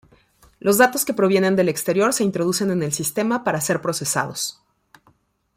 Los datos que provienen del exterior se introducen en el sistema para ser procesados.